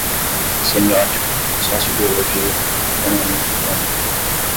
semiótica, sociobiologia, planeamento urbano